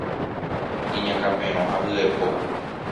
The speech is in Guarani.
Iñakãperõ ha hyepo